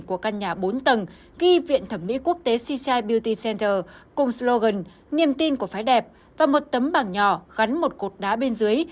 của căn nhà bốn tầng ghi viện thẩm mỹ quốc tế cci beuty center cùng slogan niềm tin của phái đẹp và một tấm bảng nhỏ gắn một cột đá bên dưới